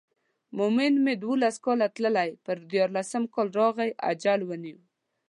مومن مې دولس کاله تللی پر دیارلسم کال راغی اجل ونیو.